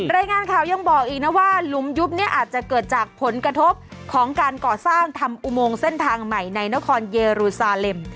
รายงานข่าวยังบอกอีกนะว่าหลุมยุบเนี่ยอาจจะเกิดจากผลกระทบของการก่อสร้างทำอุโมงเส้นทางใหม่ในนครเยรูซาเลม